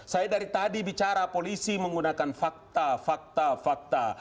saya dari tadi bicara polisi menggunakan fakta fakta fakta